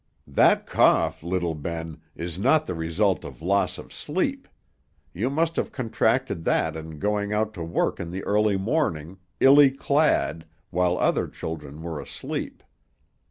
That cough, little Ben, is not the result of loss of sleep: you must have contracted that in going out to work in the early morning, illy clad, while other children were asleep.